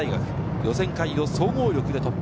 予選会を総合力で突破。